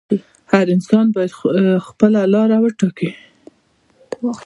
هر انسان باید خپله لاره وټاکي.